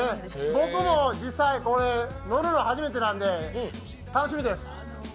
僕も実際これ乗るの初めてなんで楽しみです。